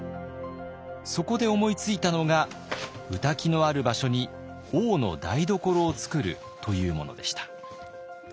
そこで思いついたのが御嶽のある場所に王の台所をつくるというものでした。